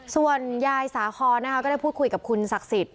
ส่วนยายสาคอนนะคะก็ได้พูดคุยกับคุณศักดิ์สิทธิ